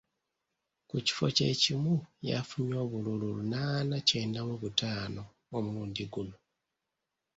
Ku kifo kye kimu, yafunye obululu lunaana kyenda mu butaano omulundi guno.